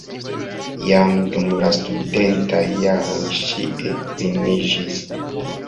Jam dum la studentaj jaroj ŝi edziniĝis.